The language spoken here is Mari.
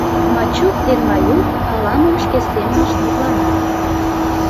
Мачук ден Маюк ала-мом шке семынышт мутланат.